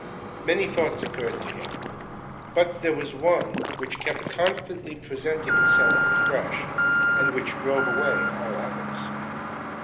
Many thoughts occurred to him; but there was one which kept constantly presenting itself afresh, and which drove away all others.